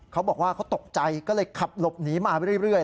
เขาบอกว่าเขาตกใจก็เลยขับหลบหนีมาเรื่อย